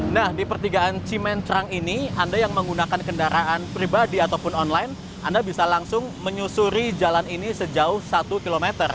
nah di pertigaan cimencrang ini anda yang menggunakan kendaraan pribadi ataupun online anda bisa langsung menyusuri jalan ini sejauh satu km